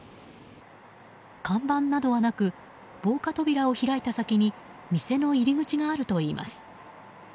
看板などはなく防火扉を開いた先に店の入り口があるといいます。